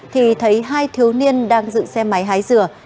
thì thấy hai thiếu niên đang dựng xe máy hái dừa